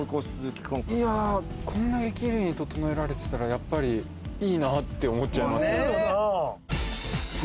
こんなに綺麗に整えられてたら、やっぱりいいなって思っちゃいます。